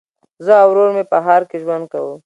زه او ورور مي په ښار کي ژوند کوو.